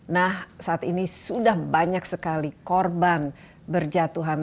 nah saat ini sudah banyak sekali korban berjatuhan